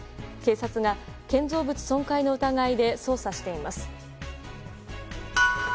警察が建造物破損の疑いで捜査しています。